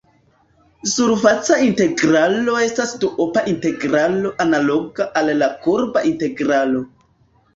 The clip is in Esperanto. Surfaca integralo estas duopa integralo analoga al la kurba integralo.